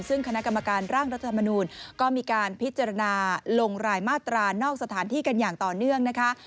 ซึ่งคณะกรรมการร่างรัฐธรรมนูลก็มีการพิจารณาลงรายมาตรานอกสถานที่กันอย่างต่อเนื่องนะคะ